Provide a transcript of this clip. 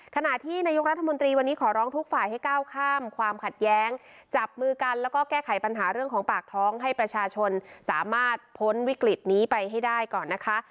ขณะที่นายกรัฐมนตรีวันนี้ขอร้องทุกฝ่ายให้ก้าวข้ามความขัดแย้งจับมือกันแล้วก็แก้ไขปัญหาเรื่องของปากท้องให้ประชาชนสามารถพ้นวิกฤตนี้ไปให้ได้ก่อนนะคะ